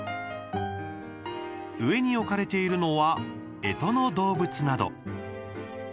上に置かれているのはえとの動物など。